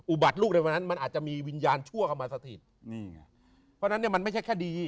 บัติลูกในวันนั้นมันอาจจะมีวิญญาณชั่วเข้ามาสถิตนี่ไงเพราะฉะนั้นเนี่ยมันไม่ใช่แค่ดี